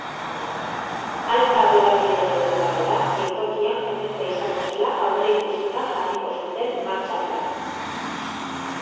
Hainbat hedabideren arabera, geltokian jendetza izango zela aurreikusita jarriko zuten martxa plana.